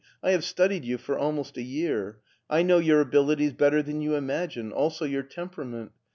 I have stud ied you for almost a year ; I know your abilities better than you imagine, also your temperament.